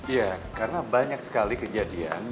ya karena banyak sekali kejadian